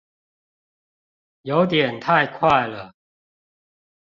有點太快了